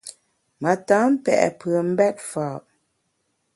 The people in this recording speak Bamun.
Ma tam pe’ pùem mbèt fa’.